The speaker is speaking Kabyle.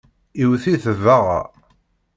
Iwwet-it baɣa.